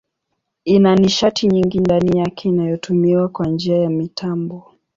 Ina nishati nyingi ndani yake inayotumiwa kwa njia ya mitambo.